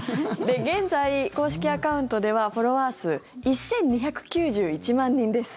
現在、公式アカウントではフォロワー数１２９１万人です。